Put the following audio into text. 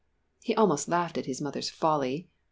He almost laughed at his mother's folly.